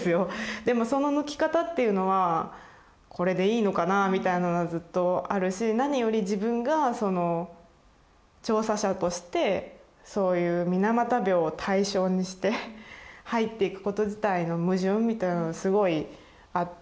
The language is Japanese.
でもその抜き方っていうのはこれでいいのかなぁみたいなのはずっとあるし何より自分が調査者としてそういう水俣病を対象にして入っていくこと自体の矛盾みたいなのがすごいあって。